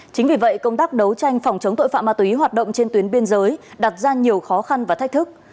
chính vì vậy công tác đấu tranh phòng chống tội phạm ma túy hoạt động trên tuyến biên giới đặt ra nhiều khó khăn và thách thức